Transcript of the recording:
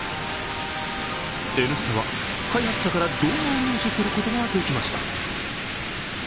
「Ｎスタ」は開発者が動画を入手することができました。